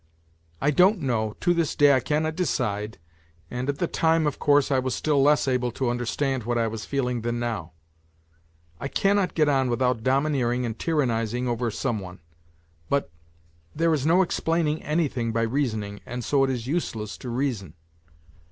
I don't know, to this day I cannot decide, and at the time, of course, I was still less able to understand what I was feeling than now. I cannot get on without domineering and tyrannizing over some one, but ... there is no explaining anything by reasoning and so it is useless to reason.